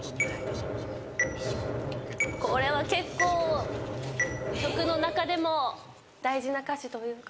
これは結構曲の中でも大事な歌詞というか。